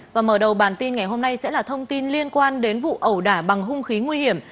và mở đầu bản tin ngày hôm nay sẽ là thông tin liên quan đến vụ ẩu đả bằng hung khí nguy hiểm